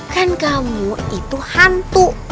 kan kamu itu hantu